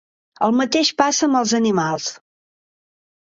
El mateix passa amb els animals.